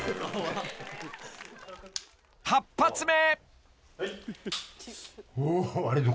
［８発目］